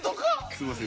すいません。